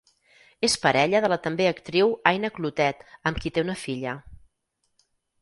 És parella de la també actriu Aina Clotet amb qui té una filla.